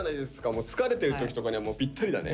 もう疲れてる時とかにはぴったりだね。